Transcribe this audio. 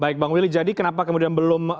baik bang willy jadi kenapa kemudian belum